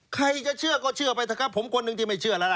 ใครจะเชื่อก็เชื่อไปครับผมคนนึงที่ไม่เชื่อละ